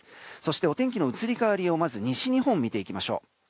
お天気の移り変わりをまず、西日本見ていきましょう。